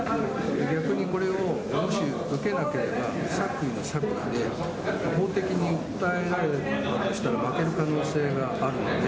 逆にこれをもし受けなければ、不作為で法的に訴えられたとしたら、負ける可能性があるので、